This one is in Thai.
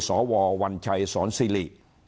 สววัญชัยสอนซิริ